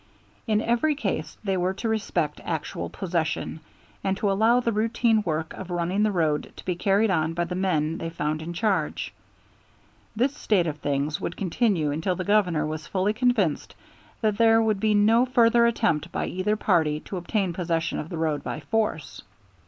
In every case they were to respect actual possession, and to allow the routine work of running the road to be carried on by the men they found in charge. This state of things would continue until the Governor was fully convinced that there would be no further attempt by either party to obtain possession of the road by force.